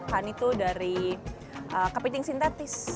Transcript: kani itu dari kepiting sintetis